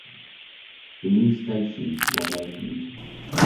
The new station was opened.